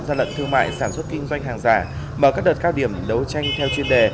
gian lận thương mại sản xuất kinh doanh hàng giả mở các đợt cao điểm đấu tranh theo chuyên đề